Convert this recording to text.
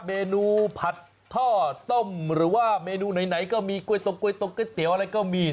เมนูผัดท่อต้มหรือว่าเมนูไหนก็มีกล้วยตรงก๊วตรงก๋วยเตี๋ยวอะไรก็มี